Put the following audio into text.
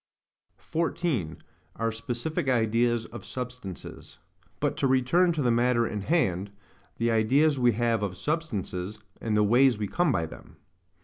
14. Our specific Ideas of Substances. But to return to the matter in hand,—the ideas we have of substances, and the ways we come by them.